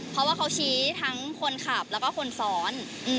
เพราะว่าเขาชี้ทั้งคนขับแล้วก็คนซ้อน